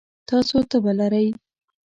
تاسو تبه لرئ؟